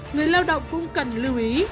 người lao động cũng cần lưu ý